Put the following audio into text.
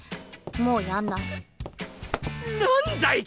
もうやんない。